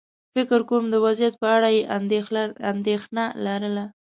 فکر کووم د وضعيت په اړه یې اندېښنه لرله.